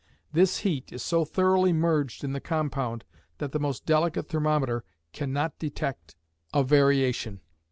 This heat is so thoroughly merged in the compound that the most delicate thermometer cannot detect a variation.